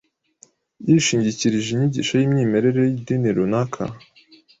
yishingirkirije inyigisho n’imyemerere y’idini runaka